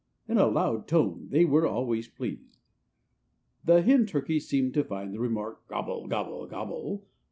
_" in a loud tone, they were always pleased. The hen turkeys seemed to find that remark, "_Gobble, gobble, gobble!